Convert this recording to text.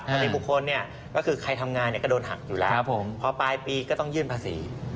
ติบุคคลเนี่ยก็คือใครทำงานเนี่ยก็โดนหักอยู่แล้วพอปลายปีก็ต้องยื่นภาษี